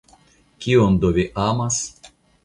Kion do vi amas?